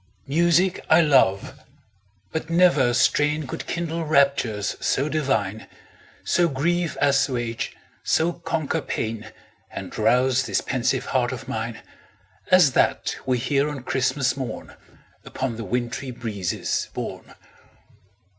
Music I love but never strain Could kindle raptures so divine, So grief assuage, so conquer pain, And rouse this pensive heart of mine As that we hear on Christmas morn, Upon the wintry breezes borne.